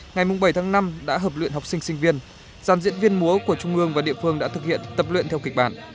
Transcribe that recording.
ngày bảy tháng năm đã hợp luyện học sinh sinh viên giàn diễn viên múa của trung ương và địa phương đã thực hiện tập luyện theo kịch bản